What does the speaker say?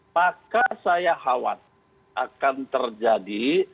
maka saya khawatir akan terjadi